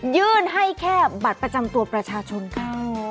ยื่นให้แค่บัตรประจำตัวประชาชนค่ะ